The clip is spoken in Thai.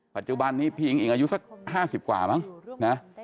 ปัจจุบันนี้พี่อิงอิงอายุสัก๕๐กว่ามั้งนะ